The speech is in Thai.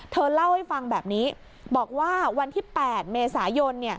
เธอเล่าให้ฟังแบบนี้บอกว่าวันที่๘เมษายน